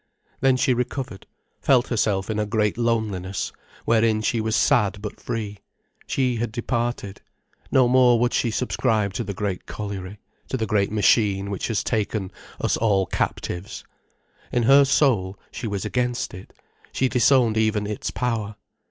Then she recovered, felt herself in a great loneliness, wherein she was sad but free. She had departed. No more would she subscribe to the great colliery, to the great machine which has taken us all captives. In her soul, she was against it, she disowned even its power.